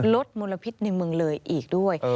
มลพิษในเมืองเลยอีกด้วย